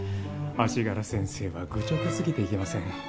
足柄先生は愚直すぎていけません。